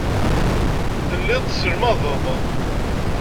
Telliḍ tesselmadeḍ.